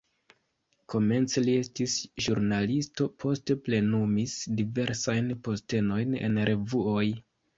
Komence li estis ĵurnalisto, poste plenumis diversajn postenojn en revuoj.